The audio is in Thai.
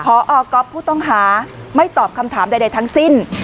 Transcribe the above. พอก๊อฟผู้ต้องหาไม่ตอบคำถามใดทั้งสิ้น